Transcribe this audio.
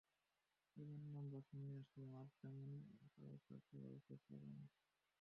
এমন লম্বা সময়েও আসলে সাফে তেমন তারকা খেলোয়াড়ের খোঁজ পাওয়া কঠিন।